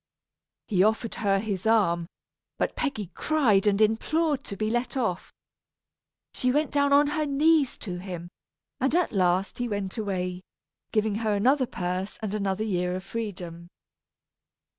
He offered her his arm, but Peggy cried and implored to be let off. She went down on her knees to him, and at last he went away, giving her another purse and another year of freedom.